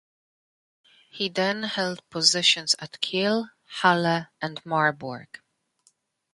He then held positions at Kiel, Halle and Marburg.